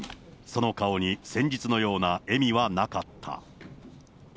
その顔に先日のような笑みはなかった。